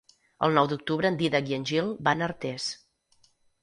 El nou d'octubre en Dídac i en Gil van a Artés.